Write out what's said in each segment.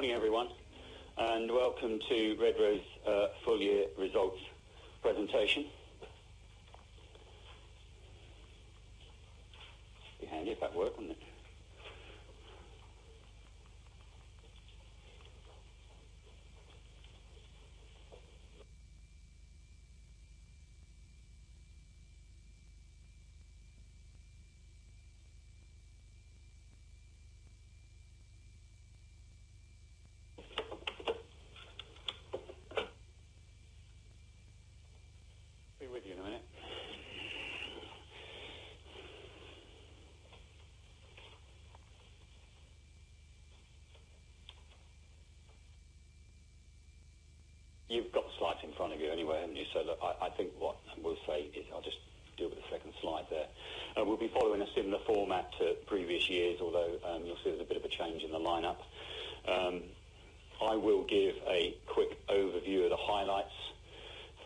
Good morning, everyone, and welcome to Redrow's full year results presentation. Be handy if that worked, wouldn't it? Be with you in a minute. You've got the slides in front of you anyway, haven't you? Look, I think what we'll say is I'll just deal with the second slide there. We'll be following a similar format to previous years, although you'll see there's a bit of a change in the line-up. I will give a quick overview of the highlights,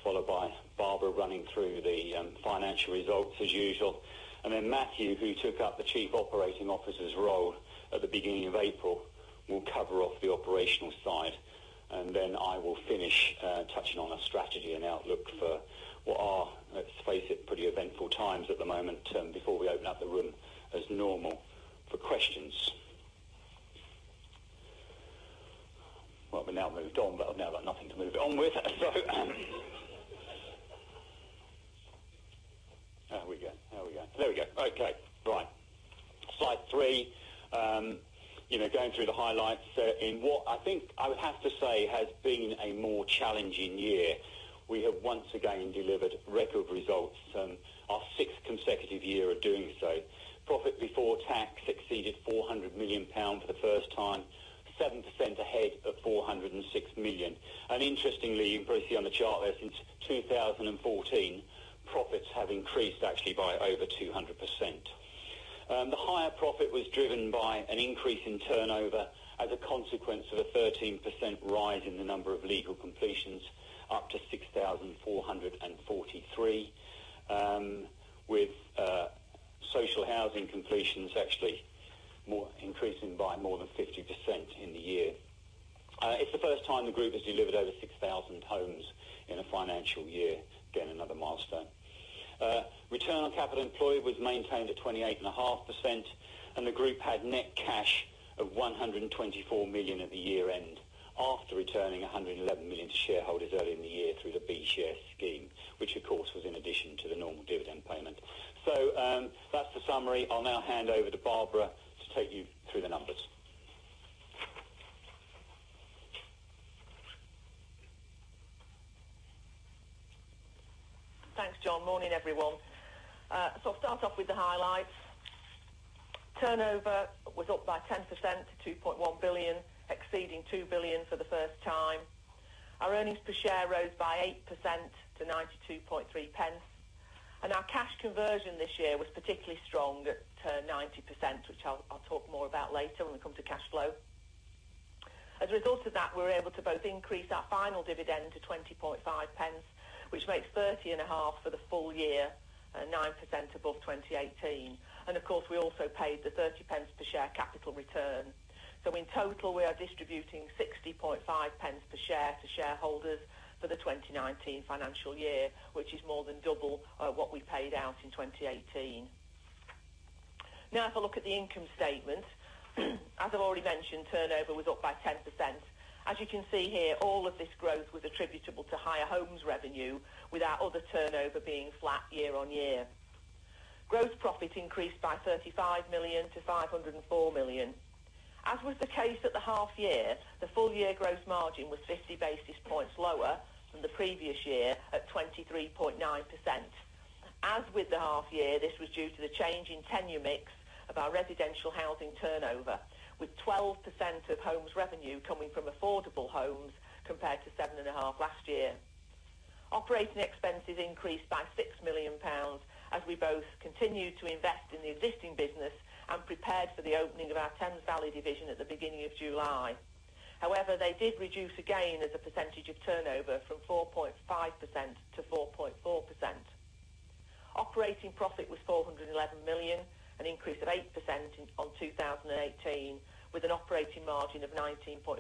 followed by Barbara running through the financial results as usual. Then Matthew, who took up the Chief Operating Officer's role at the beginning of April, will cover off the operational side. Then I will finish touching on our strategy and outlook for what are, let's face it, pretty eventful times at the moment, before we open up the room as normal for questions. Well, we now moved on. I've now got nothing to move it on with. There we go. There we go. Okay. Right. Slide three. Going through the highlights, in what I think I would have to say has been a more challenging year, we have once again delivered record results, our sixth consecutive year of doing so. Profit before tax exceeded 400 million pounds for the first time, 7% ahead of 406 million. Interestingly, you can probably see on the chart there, since 2014, profits have increased actually by over 200%. The higher profit was driven by an increase in turnover as a consequence of a 13% rise in the number of legal completions up to 6,443, with social housing completions actually increasing by more than 50% in the year. It's the first time the group has delivered over 6,000 homes in a financial year. Again, another milestone. Return on capital employed was maintained at 28.5%, and the group had net cash of 124 million at the year-end after returning 111 million to shareholders early in the year through the B share scheme, which of course, was in addition to the normal dividend payment. That's the summary. I'll now hand over to Barbara to take you through the numbers. Thanks, John. Morning, everyone. I'll start off with the highlights. Turnover was up by 10% to 2.1 billion, exceeding 2 billion for the first time. Our earnings per share rose by 8% to 0.923. Our cash conversion this year was particularly strong at 90%, which I'll talk more about later when we come to cash flow. As a result of that, we were able to both increase our final dividend to 0.205, which makes 0.305 for the full year, 9% above 2018. Of course, we also paid the 0.30 per share capital return. In total, we are distributing 0.605 per share to shareholders for the 2019 financial year, which is more than double what we paid out in 2018. If I look at the income statement, as I've already mentioned, turnover was up by 10%. As you can see here, all of this growth was attributable to higher homes revenue, with our other turnover being flat year-on-year. Gross profit increased by 35 million to 504 million. As was the case at the half year, the full year gross margin was 50 basis points lower than the previous year at 23.9%. As with the half year, this was due to the change in tenure mix of our residential housing turnover, with 12% of homes revenue coming from affordable homes compared to 7.5% last year. Operating expenses increased by 6 million pounds as we both continued to invest in the existing business and prepared for the opening of our Thames Valley division at the beginning of July. They did reduce again as a percentage of turnover from 4.5% to 4.4%. Operating profit was 411 million, an increase of 8% on 2018, with an operating margin of 19.5%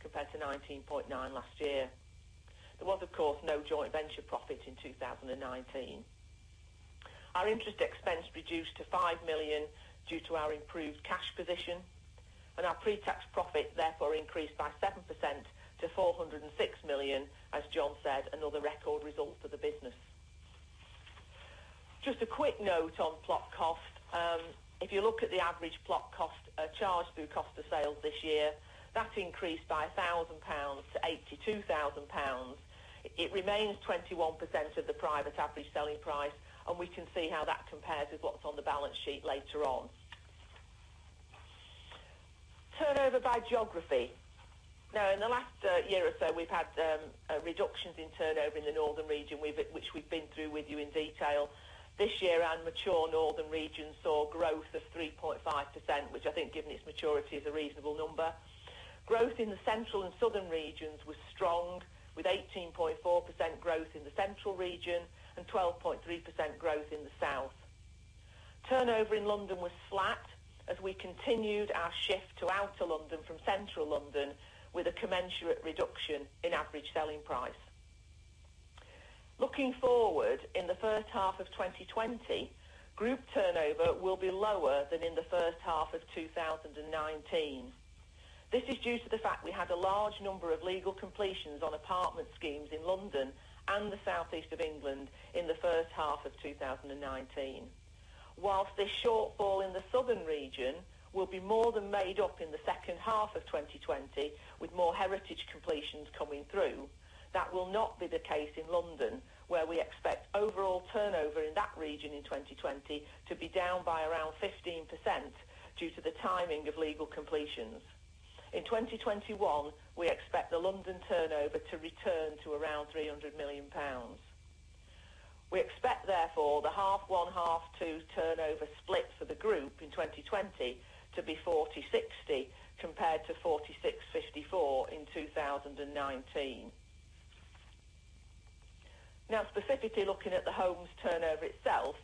compared to 19.9% last year. There was, of course, no joint venture profit in 2019. Our interest expense reduced to 5 million due to our improved cash position, our pre-tax profit therefore increased by 7% to 406 million, as John said, another record result for the business. Just a quick note on plot cost. If you look at the average plot cost charged through cost of sales this year, that increased by £1,000 to £82,000. It remains 21% of the private average selling price, we can see how that compares with what's on the balance sheet later on. Turnover by geography. In the last year or so, we've had reductions in turnover in the northern region, which we've been through with you in detail. This year, our mature northern region saw growth of 3.5%, which I think, given its maturity, is a reasonable number. Growth in the central and southern regions was strong, with 18.4% growth in the central region and 12.3% growth in the south. Turnover in London was flat as we continued our shift to outer London from central London with a commensurate reduction in average selling price. Looking forward, in the first half of 2020, group turnover will be lower than in the first half of 2019. This is due to the fact we had a large number of legal completions on apartment schemes in London and the southeast of England in the first half of 2019. Whilst this shortfall in the southern region will be more than made up in the second half of 2020, with more Heritage completions coming through, that will not be the case in London, where we expect overall turnover in that region in 2020 to be down by around 15% due to the timing of legal completions. In 2021, we expect the London turnover to return to around 300 million pounds. We expect, therefore, the half one, half two turnover split for the group in 2020 to be 40/60, compared to 46/54 in 2019. Now specifically looking at the homes turnover itself,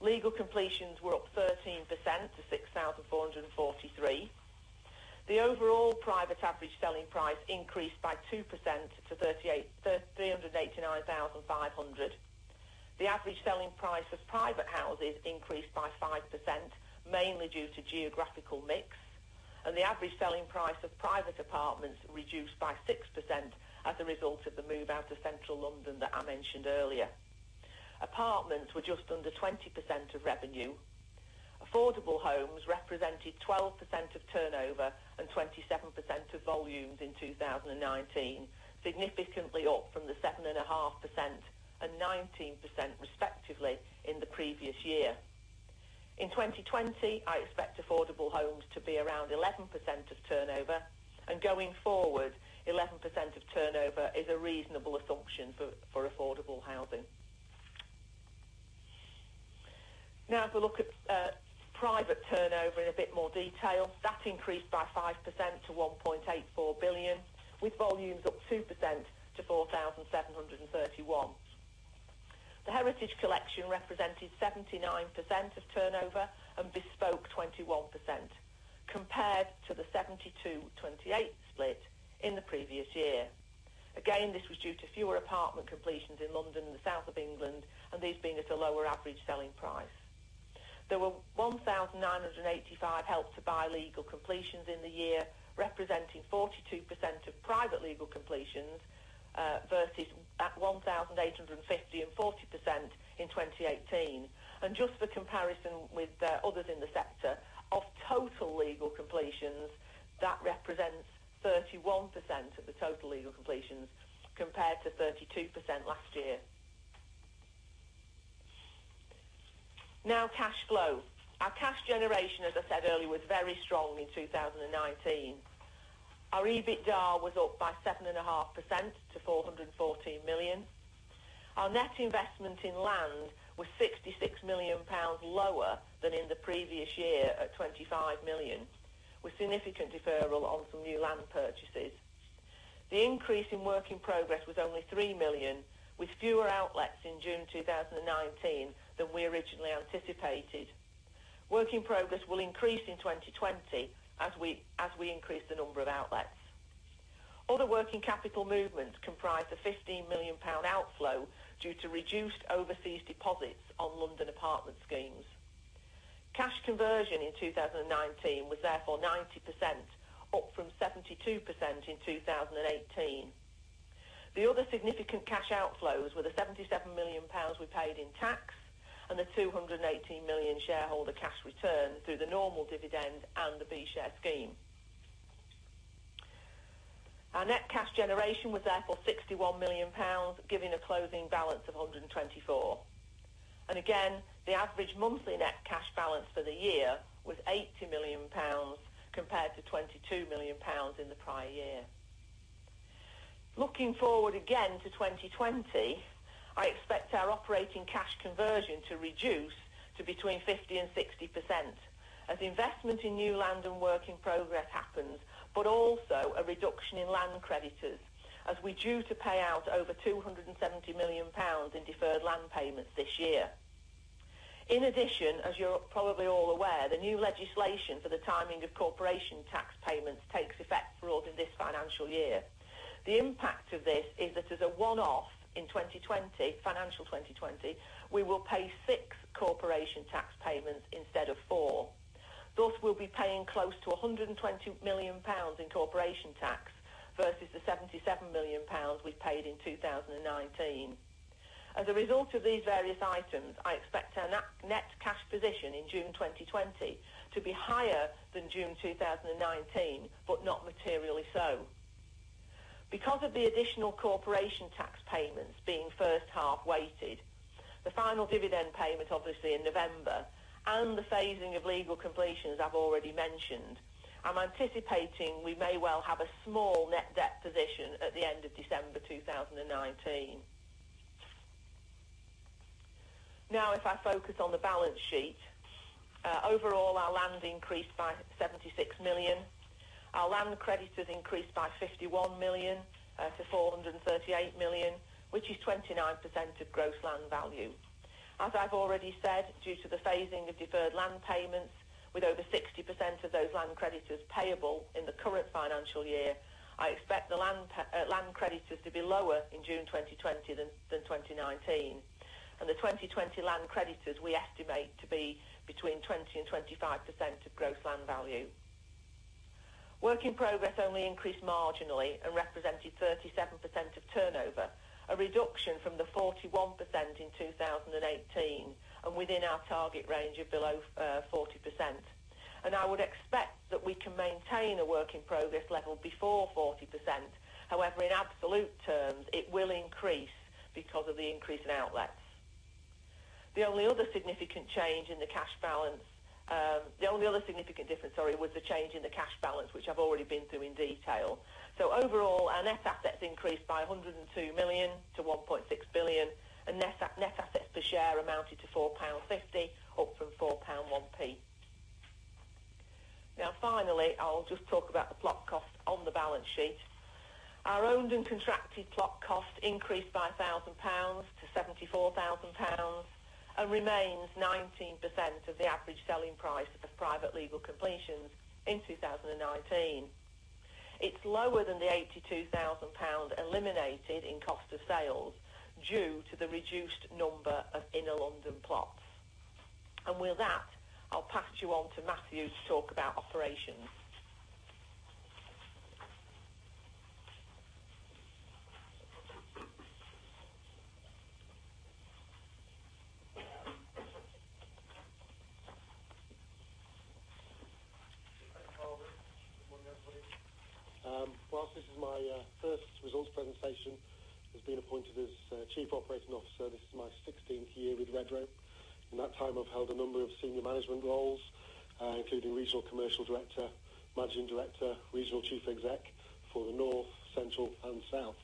legal completions were up 13% to 6,443. The overall private average selling price increased by 2% to 389,500. The average selling price of private houses increased by 5%, mainly due to geographical mix, the average selling price of private apartments reduced by 6% as a result of the move out of central London that I mentioned earlier. Apartments were just under 20% of revenue. Affordable homes represented 12% of turnover and 27% of volumes in 2019, significantly up from the 7.5% and 19%, respectively, in the previous year. In 2020, I expect affordable homes to be around 11% of turnover and going forward, 11% of turnover is a reasonable assumption for affordable housing. If we look at private turnover in a bit more detail, that increased by 5% to 1.84 billion, with volumes up 2% to 4,731. The Heritage Collection represented 79% of turnover and Bespoke 21%, compared to the 72/28 split in the previous year. This was due to fewer apartment completions in London and the south of England, and these being at a lower average selling price. There were 1,985 Help to Buy legal completions in the year, representing 42% of private legal completions, versus 1,850 and 40% in 2018. Just for comparison with others in the sector, of total legal completions, that represents 31% of the total legal completions compared to 32% last year. Cash flow. Our cash generation, as I said earlier, was very strong in 2019. Our EBITDA was up by 7.5% to 414 million. Our net investment in land was 66 million pounds lower than in the previous year at 25 million, with significant deferral on some new land purchases. The increase in work in progress was only 3 million, with fewer outlets in June 2019 than we originally anticipated. Work in progress will increase in 2020 as we increase the number of outlets. Other working capital movements comprised a 15 million pound outflow due to reduced overseas deposits on London apartment schemes. Cash conversion in 2019 was therefore 90%, up from 72% in 2018. The other significant cash outflows were the 77 million pounds we paid in tax and the 218 million shareholder cash return through the normal dividend and the B share scheme. Our net cash generation was therefore 61 million pounds, giving a closing balance of 124. The average monthly net cash balance for the year was 80 million pounds compared to 22 million pounds in the prior year. Looking forward again to 2020, I expect our operating cash conversion to reduce to between 50% and 60% as investment in new land and work in progress happens. Also a reduction in land creditors as we're due to pay out over 270 million pounds in deferred land payments this year. In addition, as you're probably all aware, the new legislation for the timing of corporation tax payments takes effect for us in this financial year. The impact of this is that as a one-off in financial 2020, we will pay six corporation tax payments instead of four. We'll be paying close to 120 million pounds in corporation tax versus the 77 million pounds we paid in 2019. As a result of these various items, I expect our net cash position in June 2020 to be higher than June 2019, but not materially so. Because of the additional corporation tax payments being first half weighted, the final dividend payment, obviously in November, and the phasing of legal completions I've already mentioned, I'm anticipating we may well have a small net debt position at the end of December 2019. If I focus on the balance sheet. Overall, our land increased by 76 million. Our land creditors increased by 51 million to 438 million, which is 29% of gross land value. As I've already said, due to the phasing of deferred land payments, with over 60% of those land creditors payable in the current financial year, I expect the land creditors to be lower in June 2020 than 2019. The 2020 land creditors, we estimate to be between 20%-25% of gross land value. Work in progress only increased marginally, represented 37% of turnover, a reduction from the 41% in 2018, and within our target range of below 40%. I would expect that we can maintain a work in progress level before 40%. However, in absolute terms, it will increase because of the increase in outlets. The only other significant difference was the change in the cash balance, which I've already been through in detail. Overall, our net assets increased by 102 million to 1.6 billion, and net assets per share amounted to 4.50 pound, up from 4.01 pound. Finally, I'll just talk about the plot cost on the balance sheet. Our owned and contracted plot cost increased by 1,000 pounds to 74,000 pounds, and remains 19% of the average selling price of private legal completions in 2019. It's lower than the 82,000 pound eliminated in cost of sales due to the reduced number of inner London plots. With that, I'll pass you on to Matthew to talk about operations. Thanks, Barbara. Good morning, everybody. Whilst this is my first results presentation, has been appointed as Chief Operating Officer, this is my 16th year with Redrow. In that time, I've held a number of senior management roles, including Regional Commercial Director, Managing Director, Regional Chief Exec for the North, Central, and South.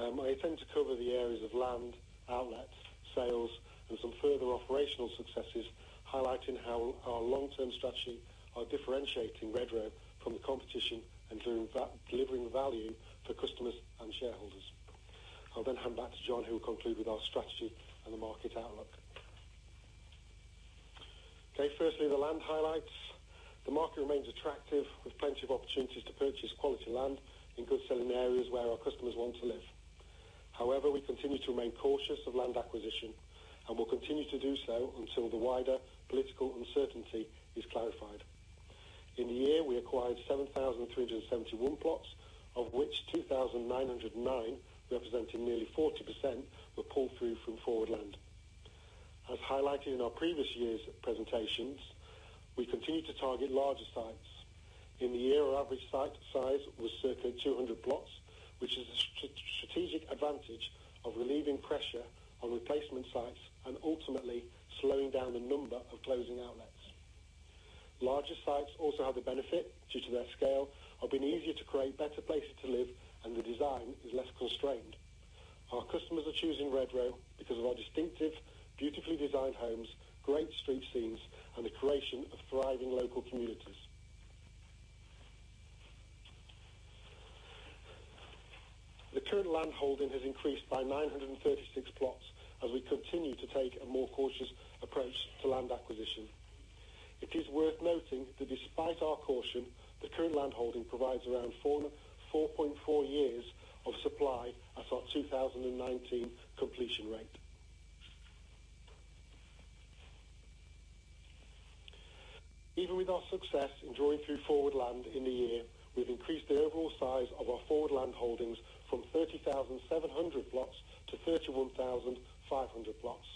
I intend to cover the areas of land, outlets, sales, and some further operational successes, highlighting how our long-term strategy are differentiating Redrow from the competition and delivering value for customers and shareholders. I'll then hand back to John, who will conclude with our strategy and the market outlook. Okay. Firstly, the land highlights. The market remains attractive, with plenty of opportunities to purchase quality land in good selling areas where our customers want to live. However, we continue to remain cautious of land acquisition and will continue to do so until the wider political uncertainty is clarified. In the year, we acquired 7,371 plots, of which 2,909, representing nearly 40%, were pulled through from forward land. As highlighted in our previous years' presentations, we continue to target larger sites. In the year, our average site size was circa 200 plots, which is a strategic advantage of relieving pressure on replacement sites and ultimately slowing down the number of closing outlets. Larger sites also have the benefit, due to their scale, of being easier to create better places to live, and the design is less constrained. Our customers are choosing Redrow because of our distinctive, beautifully designed homes, great street scenes, and the creation of thriving local communities. The current land holding has increased by 936 plots as we continue to take a more cautious approach to land acquisition. It is worth noting that despite our caution, the current land holding provides around 4.4 years of supply at our 2019 completion rate. Even with our success in drawing through forward land in the year, we've increased the overall size of our forward land holdings from 30,700 plots to 31,500 plots.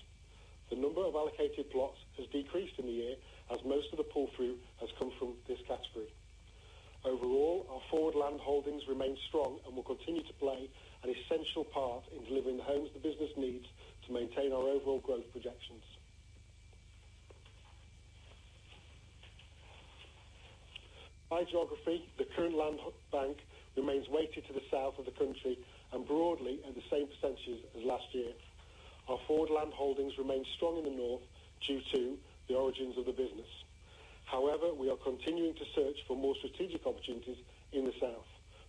The number of allocated plots has decreased in the year, as most of the pull-through has come from this category. Overall, our forward land holdings remain strong and will continue to play an essential part in delivering the homes the business needs to maintain our overall growth projections. By geography, the current land bank remains weighted to the south of the country and broadly at the same percentages as last year. Our forward land holdings remain strong in the North due to the origins of the business. However, we are continuing to search for more strategic opportunities in the South.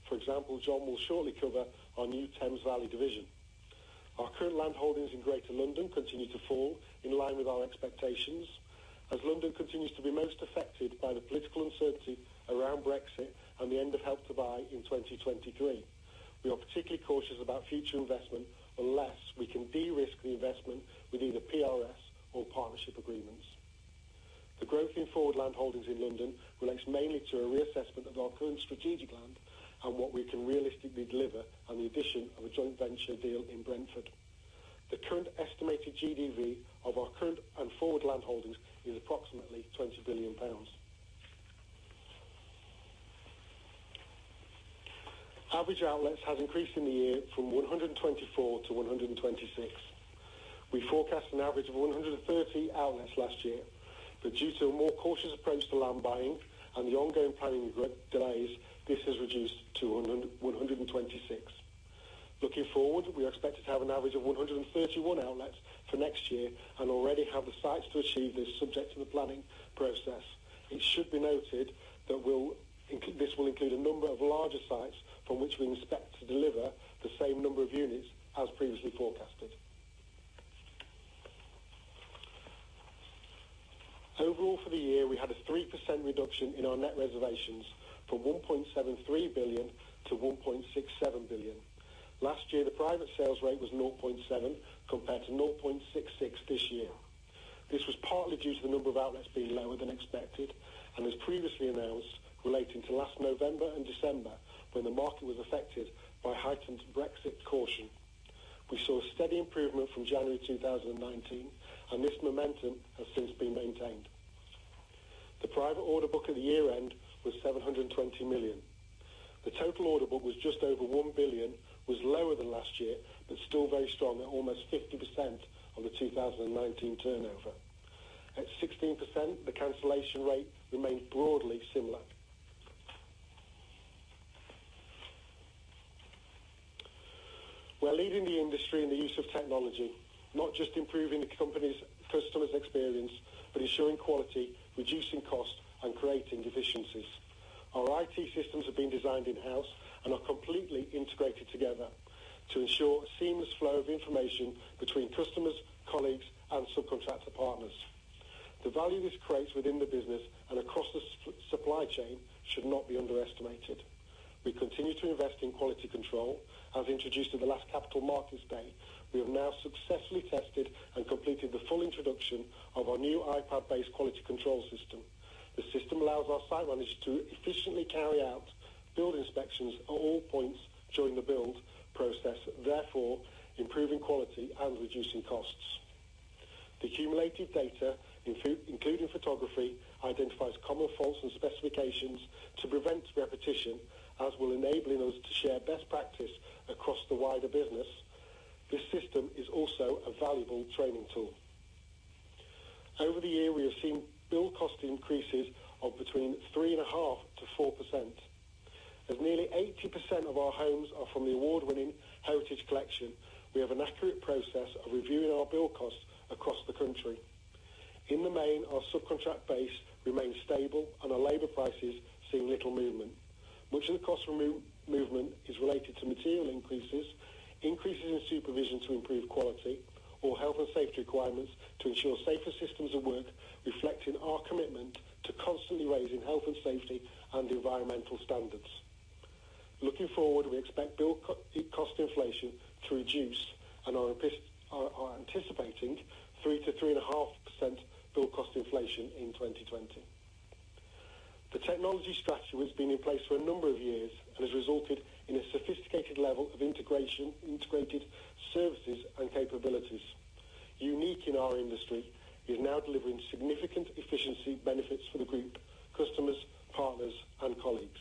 For example, John will shortly cover our new Thames Valley division. Our current land holdings in Greater London continue to fall in line with our expectations. As London continues to be most affected by the political uncertainty around Brexit and the end of Help to Buy in 2023, we are particularly cautious about future investment unless we can de-risk the investment with either PRS or partnership agreements. The growth in forward land holdings in London relates mainly to a reassessment of our current strategic land and what we can realistically deliver and the addition of a joint venture deal in Brentford. The current estimated GDV of our current and forward land holdings is approximately 20 billion pounds. Average outlets has increased in the year from 124 to 126. We forecast an average of 130 outlets last year, but due to a more cautious approach to land buying and the ongoing planning delays, this has reduced to 126. Looking forward, we are expected to have an average of 131 outlets for next year and already have the sites to achieve this, subject to the planning process. It should be noted that this will include a number of larger sites from which we expect to deliver the same number of units as previously forecasted. Overall, for the year, we had a 3% reduction in our net reservations from 1.73 billion to 1.67 billion. Last year, the private sales rate was 0.7 compared to 0.66 this year. This was partly due to the number of outlets being lower than expected and, as previously announced, relating to last November and December, when the market was affected by heightened Brexit caution. We saw a steady improvement from January 2019, and this momentum has since been maintained. The private order book at the year-end was 720 million. The total order book was just over 1 billion, was lower than last year, but still very strong at almost 50% of the 2019 turnover. At 16%, the cancellation rate remained broadly similar. We are leading the industry in the use of technology, not just improving the company's customers' experience, but ensuring quality, reducing costs, and creating efficiencies. Our IT systems have been designed in-house and are completely integrated together to ensure a seamless flow of information between customers, colleagues, and subcontractor partners. The value this creates within the business and across the supply chain should not be underestimated. We continue to invest in quality control. As introduced at the last Capital Markets Day, we have now successfully tested and completed the full introduction of our new iPad-based quality control system. The system allows our site managers to efficiently carry out build inspections at all points during the build process, therefore improving quality and reducing costs. The cumulative data, including photography, identifies common faults and specifications to prevent repetition, as well enabling us to share best practice across the wider business. This system is also a valuable training tool. Over the year, we have seen build cost increases of between 3.5%-4%. As nearly 80% of our homes are from the award-winning Heritage Collection, we have an accurate process of reviewing our build costs across the country. In the main, our subcontract base remains stable, and our labor prices have seen little movement. Much of the cost movement is related to material increases in supervision to improve quality, or health and safety requirements to ensure safer systems of work reflecting our commitment to constantly raising health and safety and environmental standards. Looking forward, we expect build cost inflation to reduce and are anticipating 3%-3.5% build cost inflation in 2020. The technology structure has been in place for a number of years and has resulted in a sophisticated level of integrated services and capabilities. Unique in our industry, it is now delivering significant efficiency benefits for the group, customers, partners, and colleagues.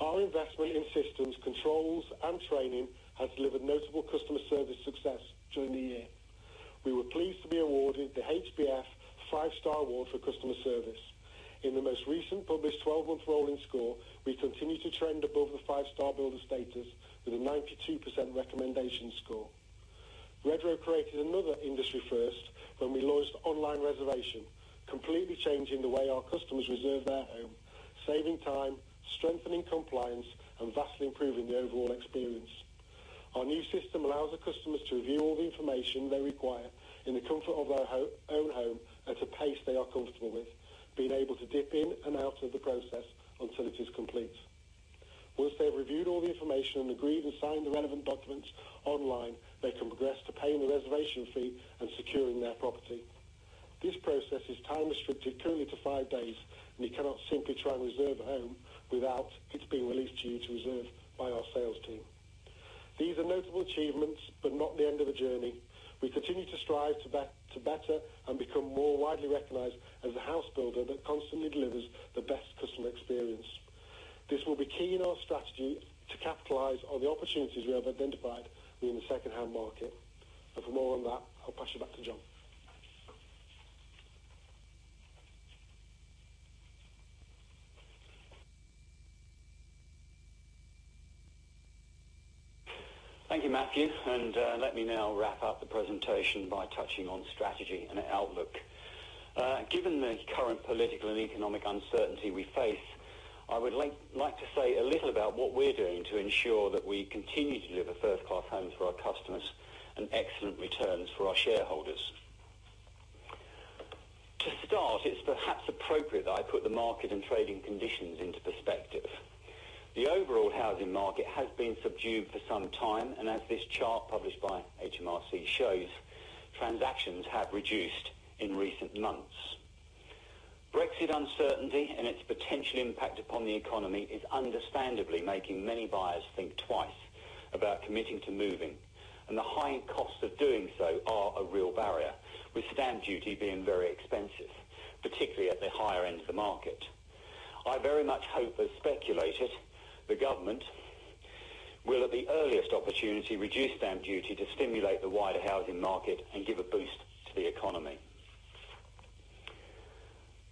Our investment in systems, controls, and training has delivered notable customer service success during the year. We were pleased to be awarded the HBF 5-star award for customer service. In the most recent published 12-month rolling score, we continue to trend above the five-star builder status with a 92% recommendation score. Redrow created another industry first when we launched online reservation, completely changing the way our customers reserve their home, saving time, strengthening compliance, and vastly improving the overall experience. Our new system allows the customers to review all the information they require in the comfort of their own home at a pace they are comfortable with, being able to dip in and out of the process until it is complete. Once they have reviewed all the information and agreed and signed the relevant documents online, they can progress to paying the reservation fee and securing their property. This process is time-restricted currently to five days. You cannot simply try and reserve a home without it being released to you to reserve by our sales team. These are notable achievements, not the end of the journey. We continue to strive to better and become more widely recognized as a house builder that constantly delivers the best customer experience. This will be key in our strategy to capitalize on the opportunities we have identified within the secondhand market. For more on that, I'll pass you back to John. Thank you, Matthew. Let me now wrap up the presentation by touching on strategy and outlook. Given the current political and economic uncertainty we face, I would like to say a little about what we're doing to ensure that we continue to deliver first-class homes for our customers and excellent returns for our shareholders. To start, it's perhaps appropriate that I put the market and trading conditions into perspective. The overall housing market has been subdued for some time, and as this chart published by HMRC shows, transactions have reduced in recent months. Brexit uncertainty and its potential impact upon the economy is understandably making many buyers think twice about committing to moving, and the high costs of doing so are a real barrier, with stamp duty being very expensive, particularly at the higher end of the market. I very much hope, as speculated, the government will at the earliest opportunity reduce stamp duty to stimulate the wider housing market and give a boost to the economy.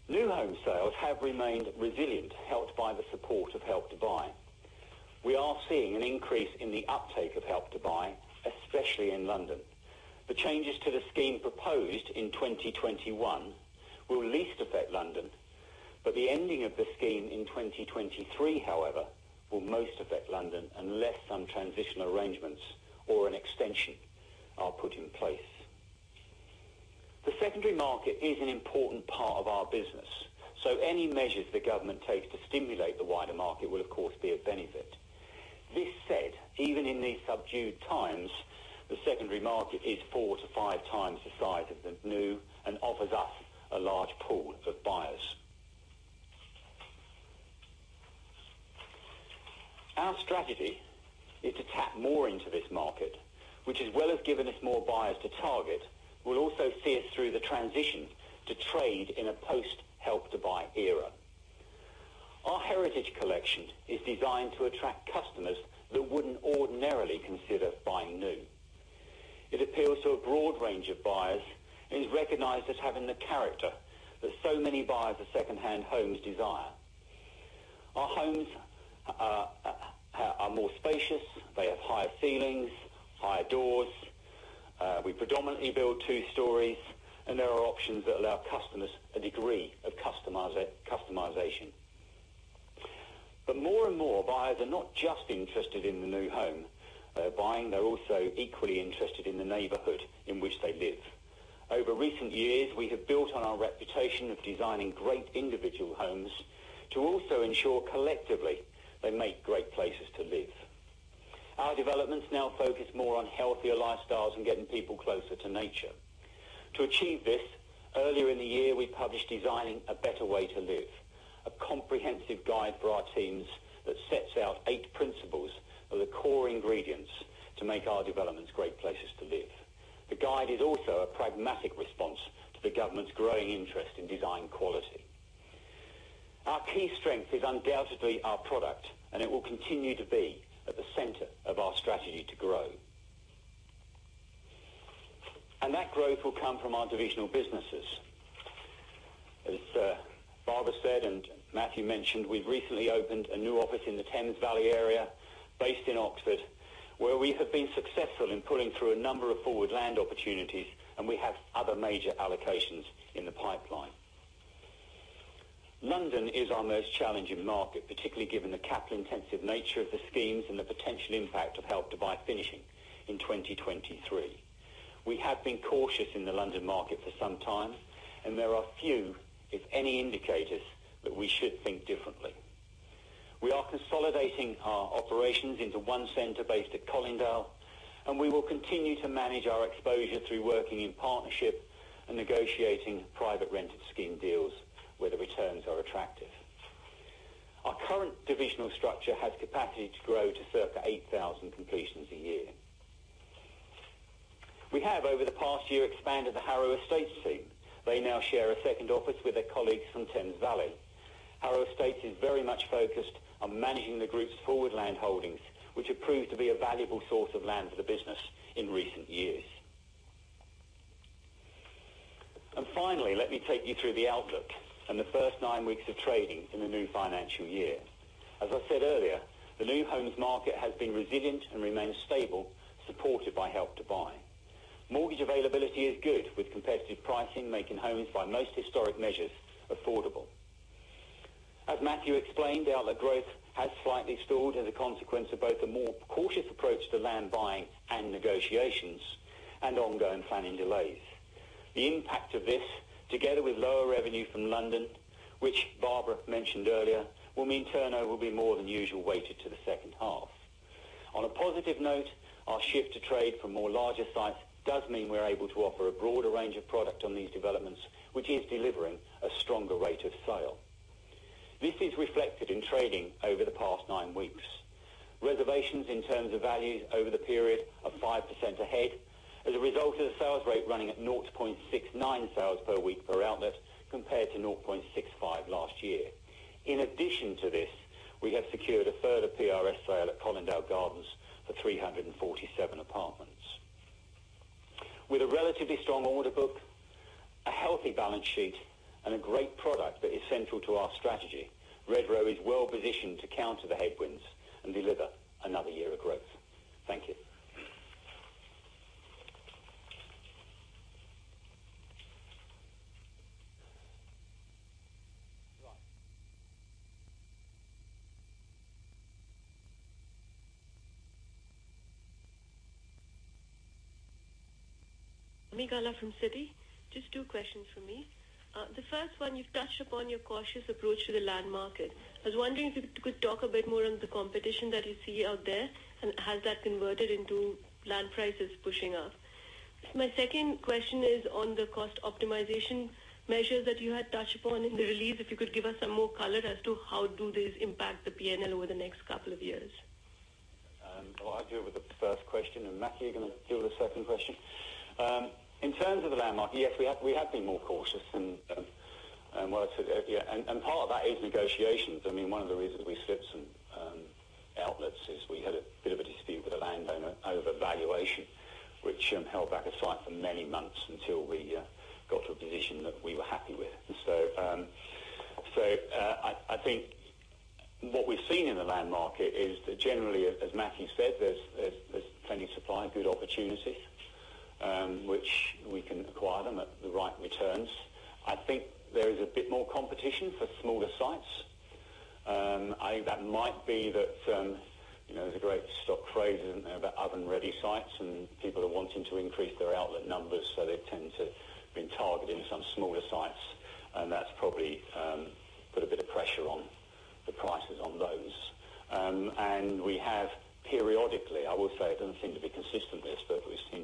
New home sales have remained resilient, helped by the support of Help to Buy. We are seeing an increase in the uptake of Help to Buy, especially in London. The changes to the scheme proposed in 2021 will least affect London, but the ending of the scheme in 2023, however, will most affect London unless some transition arrangements or an extension are put in place. The secondary market is an important part of our business, so any measures the government takes to stimulate the wider market will, of course, be of benefit. This said, even in these subdued times, the secondary market is four to five times the size of the new and offers us a large pool of buyers. Our strategy is to tap more into this market, which as well as given us more buyers to target, will also see us through the transition to trade in a post Help to Buy era. Our Heritage Collection is designed to attract customers that wouldn't ordinarily consider buying new. It appeals to a broad range of buyers and is recognized as having the character that so many buyers of secondhand homes desire. Our homes are more spacious. They have higher ceilings, higher doors. We predominantly build two stories, and there are options that allow customers a degree of customization. More and more buyers are not just interested in the new home they're buying, they're also equally interested in the neighborhood in which they live. Over recent years, we have built on our reputation of designing great individual homes to also ensure collectively they make great places to live. Our developments now focus more on healthier lifestyles and getting people closer to nature. To achieve this, earlier in the year, we published Designing a Better Way to Live, a comprehensive guide for our teams that sets out eight principles of the core ingredients to make our developments great places to live. The guide is also a pragmatic response to the government's growing interest in design quality. Our key strength is undoubtedly our product, and it will continue to be at the center of our strategy to grow. That growth will come from our divisional businesses. As Barbara said and Matthew mentioned, we've recently opened a new office in the Thames Valley area based in Oxford, where we have been successful in pulling through a number of forward land opportunities, and we have other major allocations in the pipeline. London is our most challenging market, particularly given the capital-intensive nature of the schemes and the potential impact of Help to Buy finishing in 2023. We have been cautious in the London market for some time, and there are few, if any, indicators that we should think differently. We are consolidating our operations into one center based at Colindale, and we will continue to manage our exposure through working in partnership and negotiating private rented scheme deals where the returns are attractive. Our current divisional structure has capacity to grow to circa 8,000 completions a year. We have, over the past year, expanded the Harrow Estates team. They now share a second office with their colleagues from Thames Valley. Harrow Estates is very much focused on managing the group's forward landholdings, which have proved to be a valuable source of land for the business in recent years. Finally, let me take you through the outlook and the first nine weeks of trading in the new financial year. As I said earlier, the new homes market has been resilient and remains stable, supported by Help to Buy. Mortgage availability is good, with competitive pricing making homes by most historic measures affordable. As Matthew explained, outlet growth has slightly stalled as a consequence of both a more cautious approach to land buying and negotiations and ongoing planning delays. The impact of this, together with lower revenue from London, which Barbara mentioned earlier, will mean turnover will be more than usual weighted to the second half. On a positive note, our shift to trade from more larger sites does mean we're able to offer a broader range of product on these developments, which is delivering a stronger rate of sale. This is reflected in trading over the past nine weeks. Reservations in terms of values over the period are 5% ahead as a result of the sales rate running at 0.69 sales per week per outlet, compared to 0.65 last year. In addition to this, we have secured a further PRS sale at Colindale Gardens for 347 apartments. With a relatively strong order book, a healthy balance sheet, and a great product that is central to our strategy, Redrow is well positioned to counter the headwinds and deliver another year of growth. Thank you. Right. Ami Galla from Citi. Just two questions for me. The first one, you've touched upon your cautious approach to the land market. I was wondering if you could talk a bit more on the competition that you see out there, and has that converted into land prices pushing up? My second question is on the cost optimization measures that you had touched upon in the release, if you could give us some more color as to how do these impact the P&L over the next couple of years? I'll deal with the first question. Matthew, you're going to deal with the second question. In terms of the land market, yes, we have been more cautious. Part of that is negotiations. One of the reasons we slipped some outlets is we had a bit of a dispute with a landowner over valuation, which held back a site for many months until we got to a position that we were happy with. I think what we've seen in the land market is that generally, as Matthew said, there's plenty of supply and good opportunity, which we can acquire them at the right returns. I think there is a bit more competition for smaller sites. I think that might be that there's a great stock phrase, isn't there, about oven-ready sites and people are wanting to increase their outlet numbers, so they tend to be targeting some smaller sites, and that's probably put a bit of pressure on the prices on those. We have periodically, I would say, it doesn't seem to be consistent this, but we've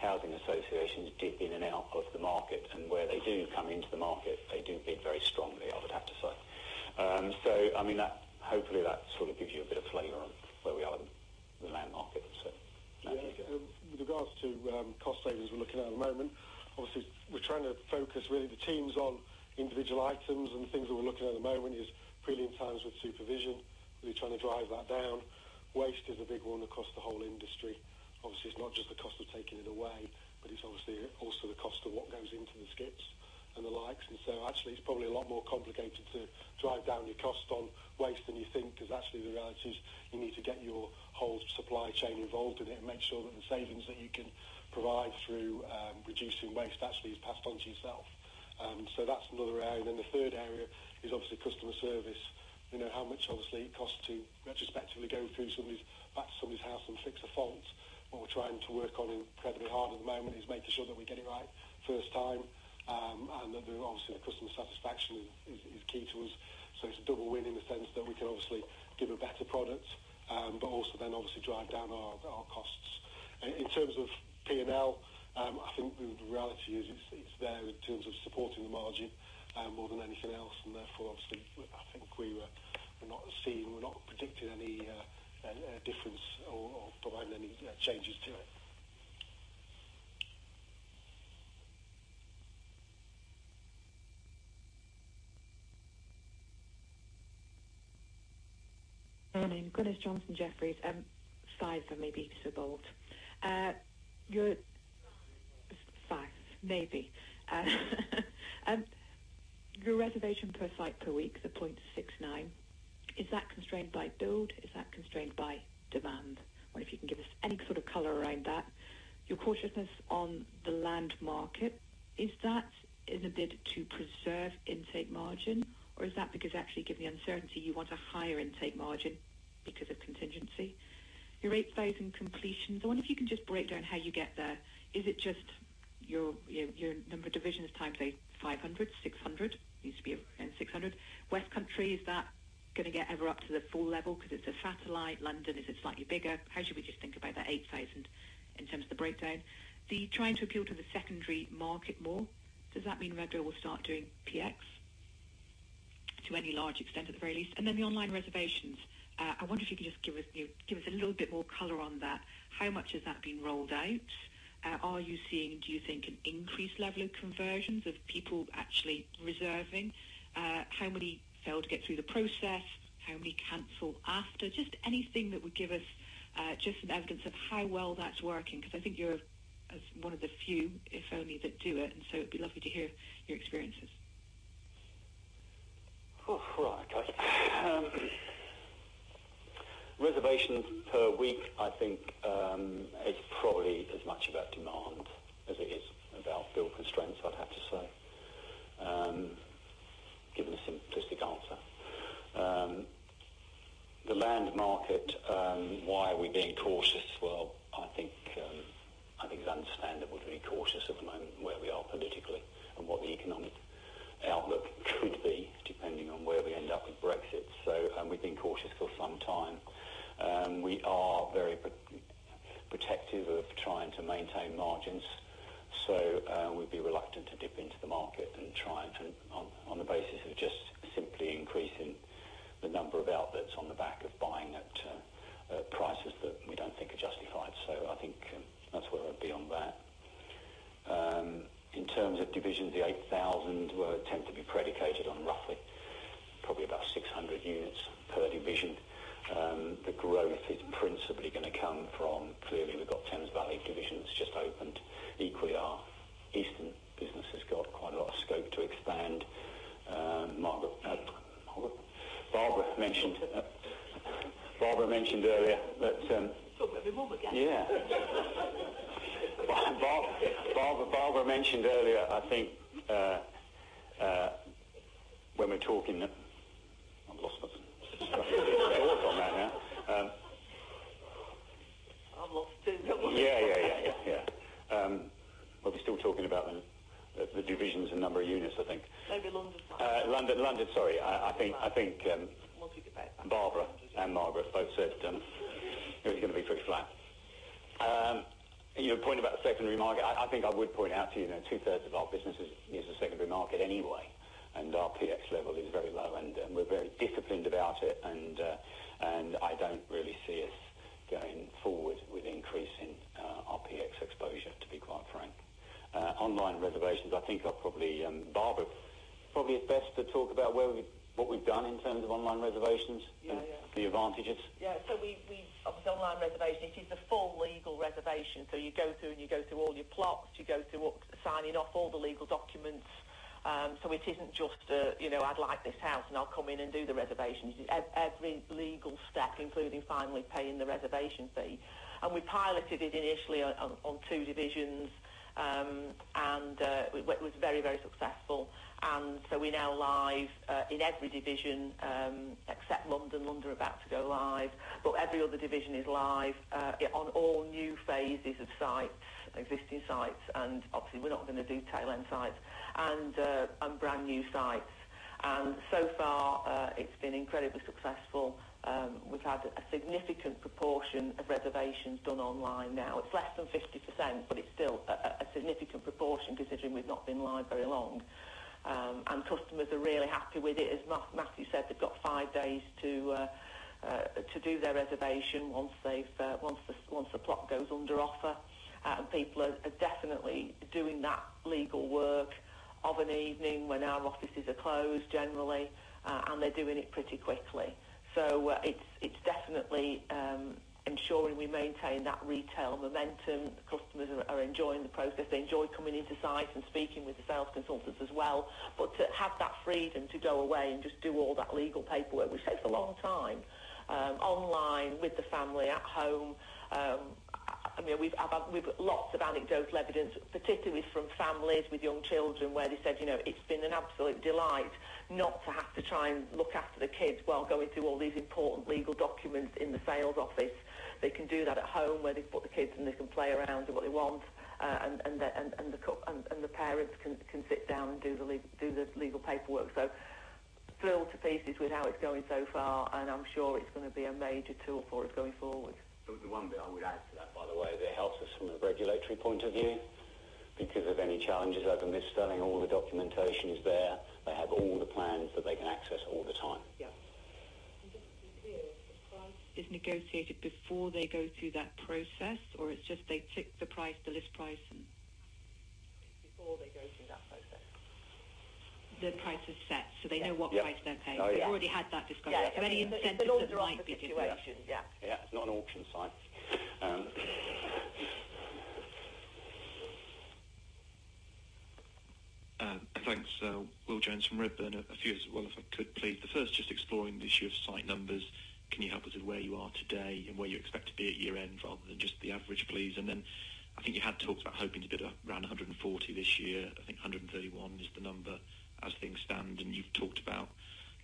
seen housing associations dip in and out of the market, and where they do come into the market, they do bid very strongly, I would have to say. Hopefully, that sort of gives you a bit of flavor on where we are with the land market. Matthew, go on. With regards to cost savings we're looking at the moment, obviously, we're trying to focus, really, the teams on individual items. The things that we're looking at the moment is prelim times with supervision. We're going to be trying to drive that down. Waste is a big one across the whole industry. Obviously, it's not just the cost of taking it away, but it's obviously also the cost of what goes into the skips and the likes. Actually, it's probably a lot more complicated to drive down your cost on waste than you think, because actually the reality is you need to get your whole supply chain involved in it and make sure that the savings that you can provide through reducing waste actually is passed on to yourself. That's another area. The third area is obviously customer service. You know how much obviously it costs to retrospectively go through back to somebody's house and fix a fault. What we're trying to work on incredibly hard at the moment is making sure that we get it right first time, and that obviously the customer satisfaction is key to us. It's a double win in the sense that we can obviously give a better product, but also then obviously drive down our costs. In terms of P&L, I think the reality is it's there in terms of supporting the margin more than anything else. Therefore, obviously, I think we're not predicting any difference or providing any changes to it. Morning. Glynis Johnson, Jefferies. Sorry for maybe being so bold. That's all right. Five, maybe. Your reservation per site per week, the 0.69, is that constrained by build? Is that constrained by demand? I wonder if you can give us any sort of color around that. Your cautiousness on the land market, is that in a bid to preserve intake margin, or is that because actually given the uncertainty, you want a higher intake margin because of contingency? Your 8,000 completions, I wonder if you can just break down how you get there. Is it just your number of divisions times a 500, 600? It needs to be around 600. West Country, is that going to get ever up to the full level because it's a satellite? London, is it slightly bigger? How should we just think about that 8,000 in terms of the breakdown? The trying to appeal to the secondary market more, does that mean Redrow will start doing PX to any large extent, at the very least? The online reservations, I wonder if you can just give us a little bit more color on that. How much has that been rolled out? Are you seeing, do you think, an increased level of conversions, of people actually reserving? How many fail to get through the process? How many cancel after? Just anything that would give us just some evidence of how well that's working, because I think you're one of the few, if any, that do it, and so it'd be lovely to hear your experiences. Right. Reservations per week, I think, is probably as much about demand as it is about build constraints, I'd have to say, giving a simplistic answer. The land market, why are we being cautious? Well, I think it's understandable to be cautious at the Barbara and Richmond both said it was going to be fixed flat. Your point about the secondary market, I think I would point out to you that two-thirds of our business is the secondary market anyway, and our PX level is very low, and we're very disciplined about it, and I don't really see us going forward with increasing our PX exposure, to be quite frank. Online reservations, I think, Barbara, probably is best to talk about what we've done in terms of online reservations. Yeah The advantages. Obviously online reservation, it is a full legal reservation. You go through and you go through all your plots, you go through signing off all the legal documents. It isn't just, "I'd like this house, and I'll come in and do the reservation." It's every legal step, including finally paying the reservation fee. We piloted it initially on two divisions, and it was very, very successful. We're now live in every division except London. London are about to go live. Every other division is live on all new phases of sites, existing sites, and obviously we're not going to do tail-end sites and brand new sites. So far, it's been incredibly successful. We've had a significant proportion of reservations done online now. It's less than 50%, but it's still a significant proportion considering we've not been live very long. Customers are really happy with it. As Matthew said, they've got five days to do their reservation once the plot goes under offer. People are definitely doing that legal work of an evening when our offices are closed generally, and they're doing it pretty quickly. It's definitely ensuring we maintain that retail momentum. The customers are enjoying the process. They enjoy coming into sites and speaking with the sales consultants as well. To have that freedom to go away and just do all that legal paperwork, which takes a long time, online with the family at home. We've lots of anecdotal evidence, particularly from families with young children, where they said, "It's been an absolute delight not to have to try and look after the kids while going through all these important legal documents in the sales office." They can do that at home where they've put the kids and they can play around, do what they want, and the parents can sit down and do the legal paperwork. Thrilled to pieces with how it's going so far, and I'm sure it's going to be a major tool for us going forward. The one bit I would add to that, by the way, it helps us from a regulatory point of view because if any challenges occur, [Miss Sterling], all the documentation is there. They have all the plans that they can access all the time. Yeah. Just to be clear, the price is negotiated before they go through that process, or it's just they tick the price, the list price? Before they go through that process. The price is set, so they know what price they're paying. Yeah. They've already had that discussion. Yeah. Any incentive there might be. It's an under offer situation. Yeah. Yeah. It's not an auction site. Thanks. Will Jones from Redburn. A few as well, if I could please. The first, just exploring the issue of site numbers. Can you help us with where you are today and where you expect to be at year-end rather than just the average, please? Then I think you had talked about hoping to do around 140 this year. I think 131 is the number as things stand, and you've talked about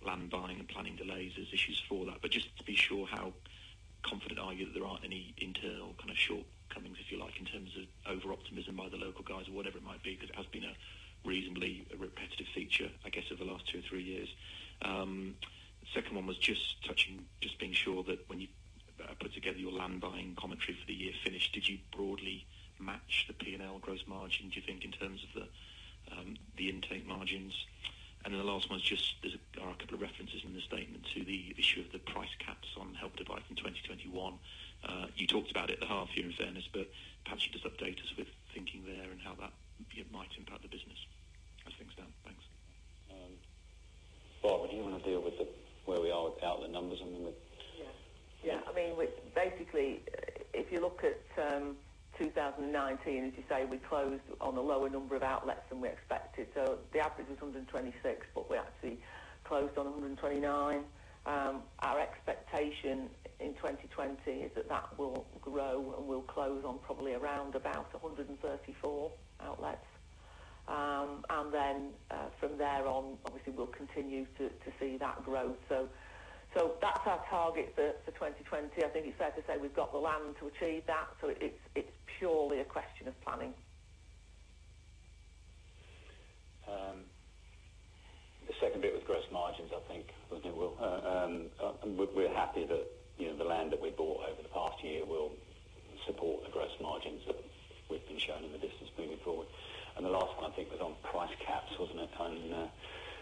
land buying and planning delays. There's issues for that. Just to be sure, how confident are you that there aren't any internal shortcomings, if you like, in terms of over-optimism by the local guys or whatever it might be? It has been a reasonably repetitive feature, I guess, over the last two or three years. Second one was just being sure that when you put together your land buying commentary for the year finished, did you broadly match the P&L gross margin, do you think, in terms of the intake margins? The last one is just, there are a couple of references in the statement to the issue of the price caps on Help to Buy from 2021. You talked about it at the half year, in fairness, but perhaps you could just update us with thinking there and how that might impact the business as things stand. Thanks. Barb, do you want to deal with where we are with the outlet numbers? I mean, Basically, if you look at 2019, as you say, we closed on a lower number of outlets than we expected. The average was 126, but we actually closed on 129. Our expectation in 2020 is that that will grow and we'll close on probably around about 134 outlets. From there on, obviously we'll continue to see that growth. That's our target for 2020. I think it's fair to say we've got the land to achieve that. It's purely a question of planning. The second bit with gross margins, I think we'll do, Will. We're happy that the land that we bought over the past year will support the gross margins that we've been showing in the business moving forward. The last one I think was on price caps, wasn't it,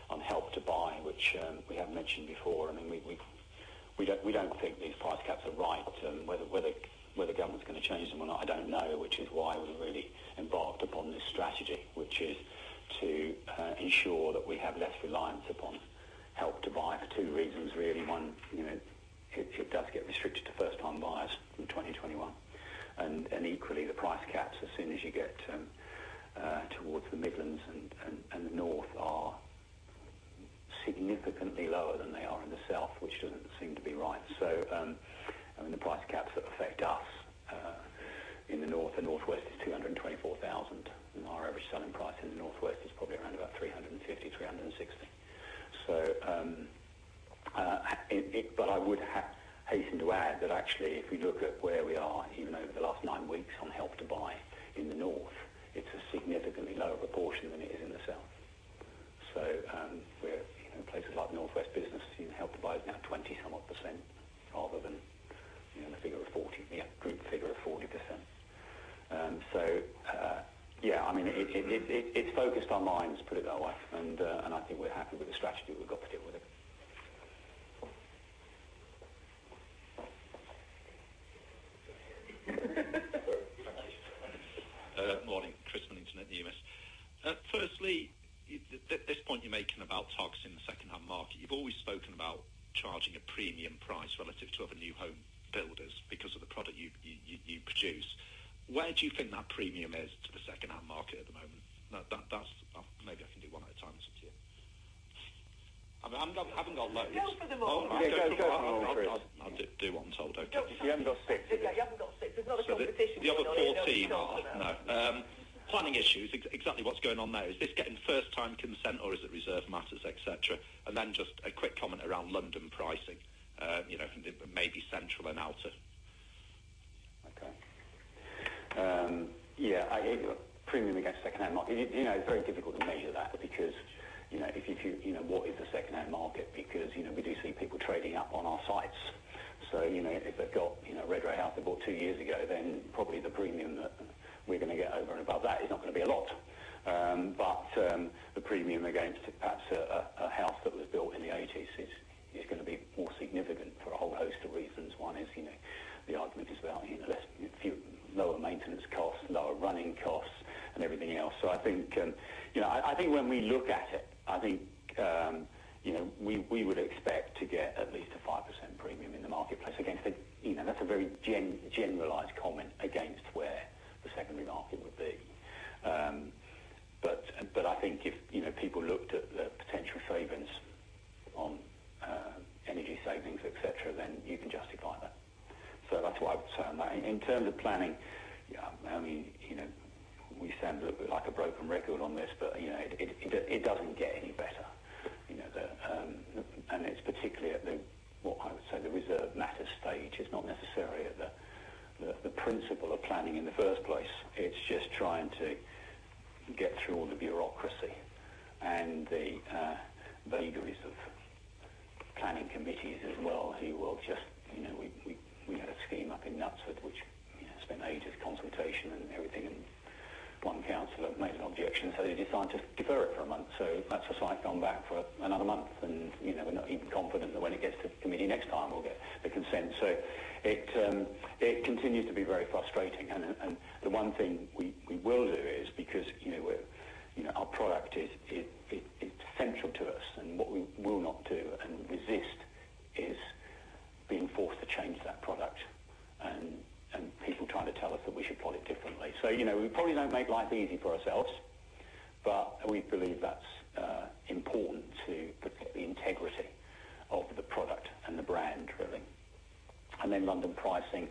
on Help to Buy, which we have mentioned before. We don't think these price caps are right. Whether government's going to change them or not, I don't know, which is why we've really embarked upon this strategy, which is to ensure that we have less reliance upon Help to Buy for two reasons, really. One, it does get restricted to first-time buyers from 2021. Equally, the price caps, as soon as you get towards the Midlands and the North are significantly lower than they are in the South, which doesn't seem to be right. The price caps that affect us in the North and Northwest is 224,000, and our average selling price in the Northwest is probably around about 350,000, GBP 360,000. I would hasten to add that actually, if we look at where we are, even over the last nine weeks on Help to Buy in the North, it's a significantly lower proportion than it is in the South. In places like North West business, Help to Buy is now 20 some odd % rather than the figure of 40 in the group. Yeah, it's focused our minds, put it that way. I think we're happy with the strategy we've got to deal with it. Thank you. Morning, Chris Millington at Numis. Firstly, this point you're making about targeting the second-hand market. You've always spoken about charging a premium price relative to other new home builders because of the product you produce. Where do you think that premium is to the second-hand market at the moment? Maybe I can do one at a time, listen to you. I haven't got loads. Go for them all. Okay. Go for them all, Chris. I'll do what I'm told, okay. You haven't got six today. You haven't got six. There's not a competition here, John. The other poor team. No. Planning issues. Exactly what's going on there. Is this getting first-time consent, or is it reserve matters, et cetera? Then just a quick comment around London pricing, maybe central and outer. Okay. Yeah. Premium against second-hand market. It's very difficult to measure that because, what is the second-hand market? We do see people trading up on our sites. If they've got a Redrow house they bought two years ago, then probably the premium that we're going to get over and above that is not going to be a lot. The premium against perhaps a house that was built in the '80s is going to be more significant for a whole host of reasons. One is, the argument is, well, lower maintenance costs, lower running costs, and everything else. I think when we look at it, we would expect to get at least a 5% premium in the marketplace against it. That's a very generalized comment against where the secondary market would be. I think if people looked at the potential savings on energy savings, et cetera, then you can justify that. That's what I would say on that. In terms of planning, we sound a little bit like a broken record on this, but it doesn't get any better. It's particularly at the, what I would say, the reserve matters stage. It's not necessarily at the principle of planning in the first place. It's just trying to get through all the bureaucracy and the vagaries of planning committees as well. We had a scheme up in Knutsford, which spent ages consultation and everything, and one councilor made an objection, so they decided to defer it for a month. That's a site gone back for another month, and we're not even confident that when it gets to committee next time, we'll get the consent. It continues to be very frustrating. The one thing we will do is, because our product is central to us, and what we will not do and resist is being forced to change that product and people trying to tell us that we should plot it differently. We probably don't make life easy for ourselves, but we believe that's important to protect the integrity of the product and the brand, really. London pricing.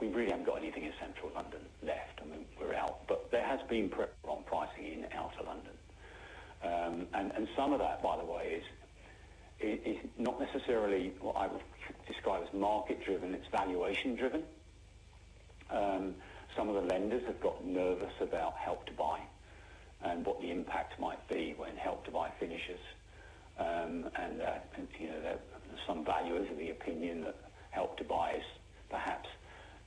We really haven't got anything in Central London left. We're out. There has been pressure on pricing in Outer London. Some of that, by the way, is not necessarily what I would describe as market driven. It's valuation driven. Some of the lenders have got nervous about Help to Buy and what the impact might be when Help to Buy finishes. There's some valuers of the opinion that Help to Buy is perhaps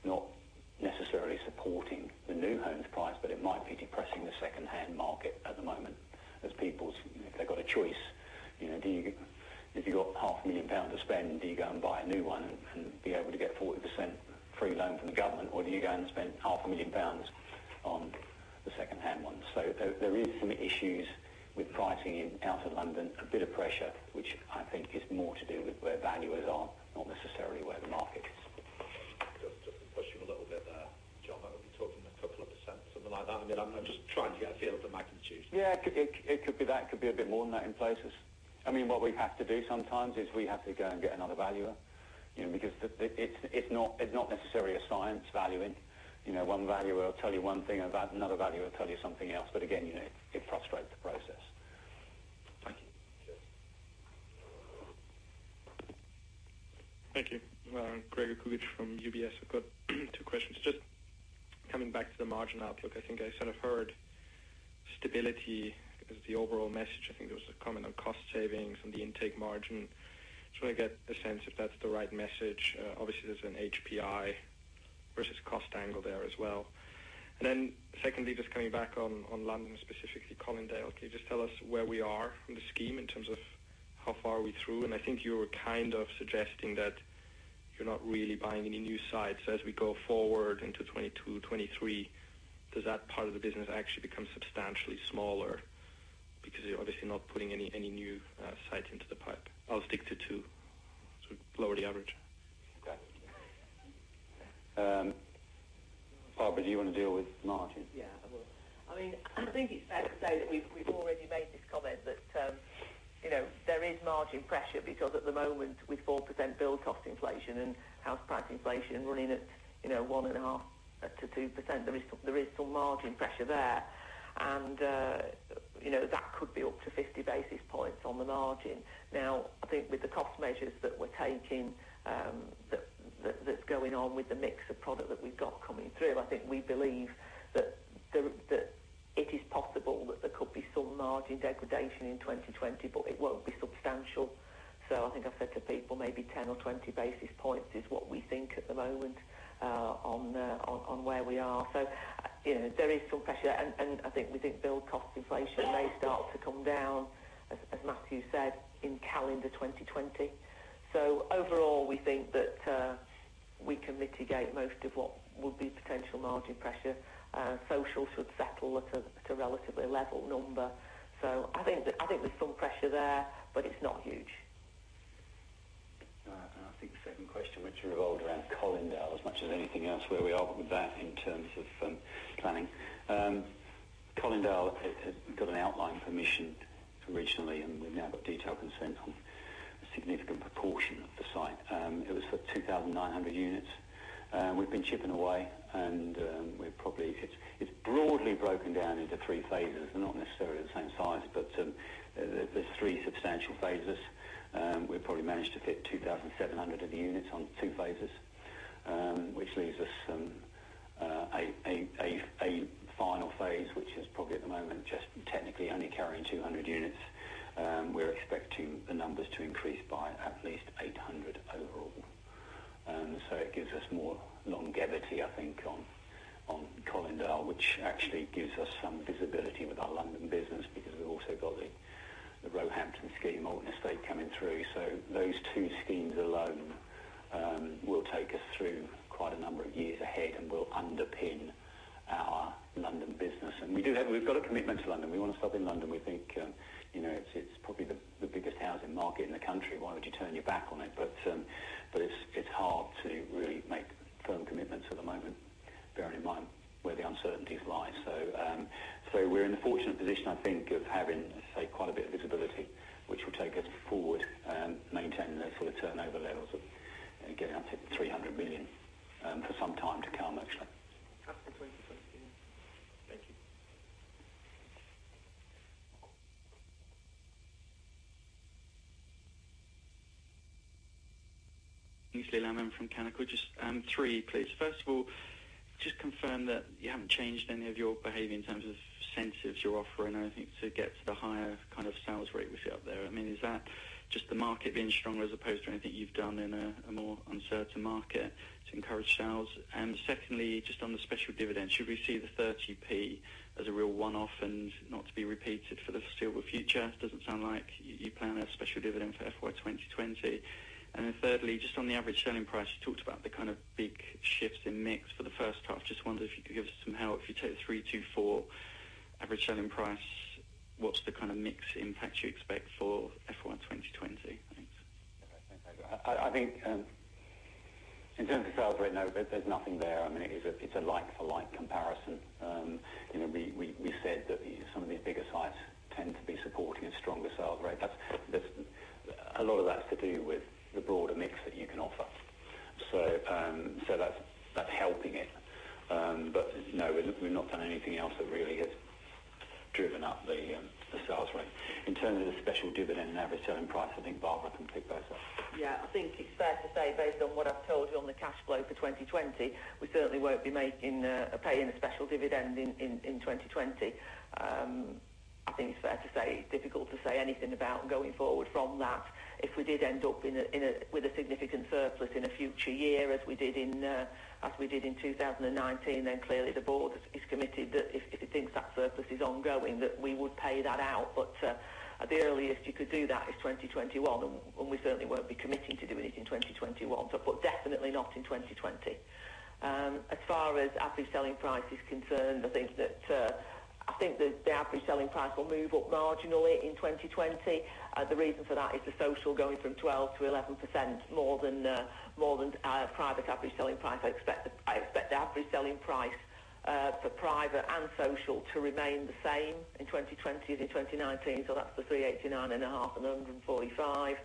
not necessarily supporting the new homes price, but it might be depressing the second-hand market at the moment as people, if they've got a choice. If you've got half a million pound to spend, do you go and buy a new one and be able to get 40% free loan from the government? Do you go and spend half a million pounds on the second-hand one? There is some issues with pricing in Outer London. A bit of pressure, which I think is more to do with where valuers are, not necessarily where the market is. Just to push you a little bit there, John. Are we talking a couple of %, something like that? I'm just trying to get a feel of the magnitude. Yeah. It could be that. It could be a bit more than that in places. What we have to do sometimes is we have to go and get another valuer. It's not necessarily a science, valuing. One valuer will tell you one thing about another valuer will tell you something else. Again, it frustrates the process. Thank you. Okay. Thank you. Gregor Kuglitsch from UBS. I've got two questions. Just coming back to the margin outlook. I think I sort of heard stability as the overall message. I think there was a comment on cost savings and the intake margin. Just want to get a sense if that's the right message. Obviously, there's an HPI versus cost angle there as well. Secondly, just coming back on London, specifically Colindale. Can you just tell us where we are in the scheme in terms of how far are we through? I think you were kind of suggesting that you're not really buying any new sites as we go forward into 2022, 2023. Does that part of the business actually become substantially smaller? Because you're obviously not putting any new sites into the pipe. I'll stick to two to lower the average. Okay. Barbara, do you want to deal with margin? Yeah, I will. I think it's fair to say that we've already made this comment that there is margin pressure because at the moment, with 4% build cost inflation and house price inflation running at 1.5%-2%, there is some margin pressure there. That could be up to 50 basis points on the margin. Now, I think with the cost measures that we're taking, that's going on with the mix of product that we've got coming through, I think we believe that it is possible that there could be some margin degradation in 2020, but it won't be substantial. I think I said to people, maybe 10 or 20 basis points is what we think at the moment on where we are. There is some pressure. I think we think build cost inflation may start to come down, as Matthew said, in calendar 2020. Overall, we think that we can mitigate most of what would be potential margin pressure. Social should settle at a relatively level number. I think there's some pressure there, but it's not huge. All right. I think the second question, which revolved around Colindale as much as anything else, where we are with that in terms of planning. Colindale had got an outline permission originally. We've now got detailed consent on a significant proportion of the site. It was for 2,900 units. We've been chipping away. It's broadly broken down into three phases. Not necessarily the same size, but there's three substantial phases. We've probably managed to fit 2,700 of the units on two phases, which leaves us a final phase, which is probably at the moment, just technically only carrying 200 units. We're expecting the numbers to increase by at least 800 overall. It gives us more longevity, I think, on Colindale, which actually gives us some visibility with our London business because we've also got the Roehampton scheme, Alton Estate, coming through. Those two schemes alone will take us through quite a number of years ahead and will underpin our London business. We've got a commitment to London. We want to stay up in London. We think it's probably the biggest housing market in the country. Why would you turn your back on it? It's hard to really make firm commitments at the moment, bearing in mind where the uncertainties lie. We're in the fortunate position, I think, of having, say, quite a bit of visibility, which will take us forward, maintaining the sort of turnover levels of getting up to 300 million for some time to come, actually. That's for 2020. Thank you. Aynsley Lammin from Canaccord. Just three, please. First of all, just confirm that you haven't changed any of your behavior in terms of incentives you're offering or anything to get to the higher kind of sales rate we see up there. Is that just the market being stronger as opposed to anything you've done in a more uncertain market to encourage sales? Secondly, just on the special dividend, should we see the 0.30 as a real one-off and not to be repeated for the foreseeable future? Doesn't sound like you plan a special dividend for FY 2020. Thirdly, just on the average selling price, you talked about the kind of big shifts in mix for the first half. Just wondered if you could give us some help. If you take the 324 average selling price, what's the kind of mix impact you expect for FY 2020? Thanks. Yeah. Thanks. I think, in terms of sales rate, no, there's nothing there. It's a like-for-like comparison. We said that some of these bigger sites tend to be supporting a stronger sales rate. A lot of that's to do with the broader mix that you can offer. That's helping it. No, we've not done anything else that really has driven up the sales rate. In terms of the special dividend and average selling price, I think Barbara can pick that up. Yeah. I think it's fair to say, based on what I've told you on the cash flow for 2020, we certainly won't be paying a special dividend in 2020. I think it's fair to say, difficult to say anything about going forward from that. If we did end up with a significant surplus in a future year as we did in 2019, clearly the Board is committed that if it thinks that surplus is ongoing, that we would pay that out. At the earliest you could do that is 2021, and we certainly won't be committing to doing it in 2021. Definitely not in 2020. As far as average selling price is concerned, I think the average selling price will move up marginally in 2020. The reason for that is the social going from 12 to 11% more than private average selling price. I expect the average selling price for private and social to remain the same in 2020 as in 2019. That's the 389 and a half and 145.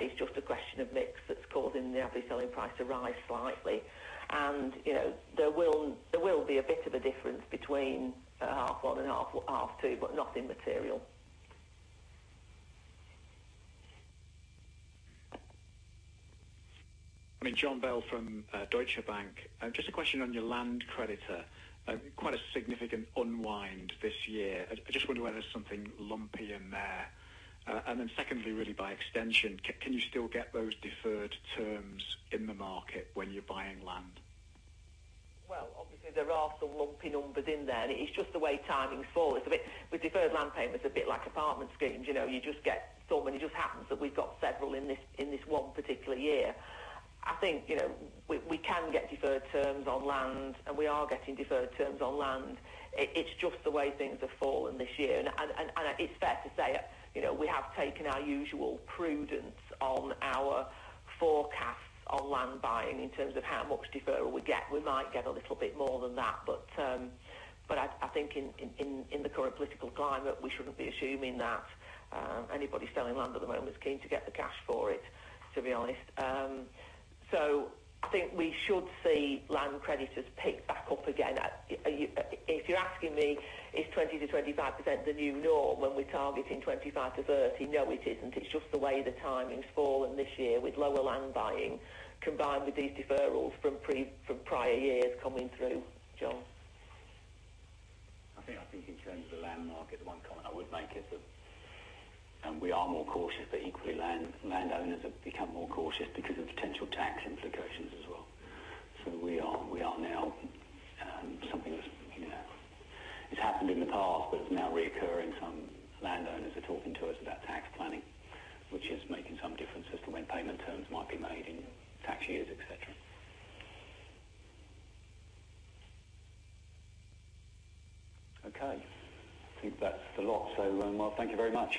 It's just a question of mix that's causing the average selling price to rise slightly. There will be a bit of a difference between half one and half two, but nothing material. John Bell from Deutsche Bank. Just a question on your land creditor. Quite a significant unwind this year. I just wonder whether there's something lumpy in there. Secondly, really by extension, can you still get those deferred terms in the market when you're buying land? Well, obviously there are some lumpy numbers in there and it is just the way timing's fallen. With deferred land payments, a bit like apartment schemes, you just get so many. It just happens that we've got several in this one particular year. I think we can get deferred terms on land, and we are getting deferred terms on land. It's just the way things have fallen this year. It's fair to say, we have taken our usual prudence on our forecasts on land buying in terms of how much deferral we get. We might get a little bit more than that. I think in the current political climate, we shouldn't be assuming that anybody selling land at the moment is keen to get the cash for it, to be honest. I think we should see land creditors pick back up again. If you're asking me, is 20%-25% the new norm when we're targeting 25%-30%? No, it isn't. It's just the way the timing's fallen this year with lower land buying combined with these deferrals from prior years coming through, John. I think in terms of land market, the one comment I would make is that we are more cautious, but equally landowners have become more cautious because of potential tax implications as well. We are now, something that's happened in the past, but it's now reoccurring. Some landowners are talking to us about tax planning, which is making some differences to when payment terms might be made in tax years, et cetera. Okay. I think that's the lot. Well, thank you very much.